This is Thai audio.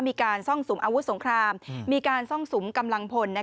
ซ่องสุมอาวุธสงครามมีการซ่องสุมกำลังพล